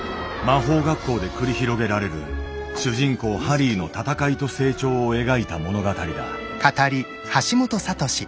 魔法学校で繰り広げられる主人公ハリーの闘いと成長を描いた物語だ。